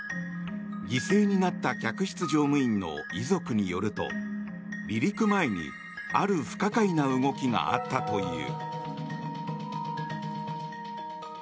犠牲になった客室乗務員の遺族によると離陸前に、ある不可解な動きがあったという。